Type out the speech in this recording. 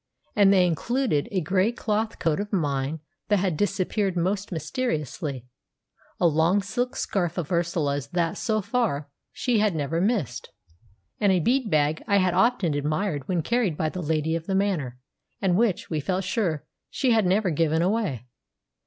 And they included: a grey cloth coat of mine that had disappeared most mysteriously; a long silk scarf of Ursula's that, so far, she had never missed; and a bead bag I had often admired when carried by the lady of the manor, and which, we felt sure, she had never given away.